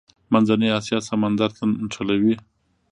منځنۍ اسیا سمندر ته نښلوي.